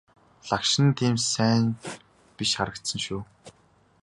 Лагшин нь тийм ч сайн биш харагдсан шүү.